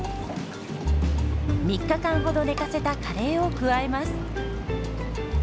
３日間ほど寝かせたカレーを加えます。